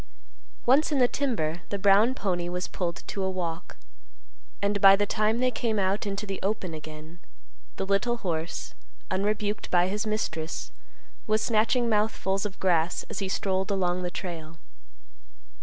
Once in the timber, the brown pony was pulled to a walk, and by the time they came out into the open again, the little horse, unrebuked by his mistress, was snatching mouthfuls of grass as he strolled along the trail.